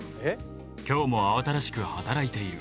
今日も慌ただしく働いている。